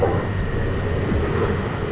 kau ini kenapa